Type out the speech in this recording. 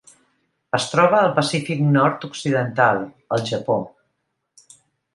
Es troba al Pacífic nord-occidental: el Japó.